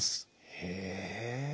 へえ。